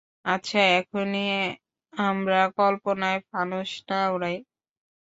আচ্ছা, এখনই আমরা কল্পনায় ফানুস না উড়াই।